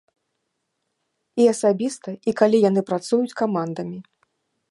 І асабіста, і калі яны працуюць камандамі.